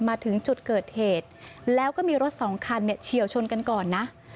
มาถึงจุดเกิดเหตุแล้วก็มีรถสองคันเนี่ยเฉียวชนกันก่อนนะ